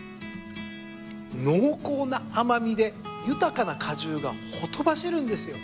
濃厚な甘みで豊かな果汁がほとばしるんですよ。